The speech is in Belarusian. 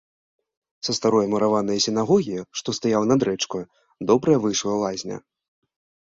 Са старое мураванае сінагогі, што стаяла над рэчкаю, добрая выйшла лазня.